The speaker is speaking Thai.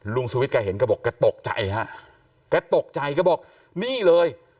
ลุงสวิทย์กะเห็นกะบอกกะตกใจฮะกะตกใจกะบอกนี่เลย